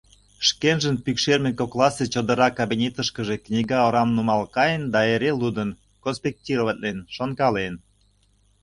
Шкенжын пӱкшерме кокласе чодыра «кабинетышкыже» книга орам нумал каен да эре лудын, конспектироватлен, шонкален.